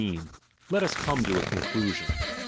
Let us come to a conclusion.